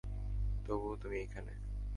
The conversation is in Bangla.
তবুও তুমি এখানে!